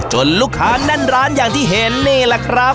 ลูกค้าแน่นร้านอย่างที่เห็นนี่แหละครับ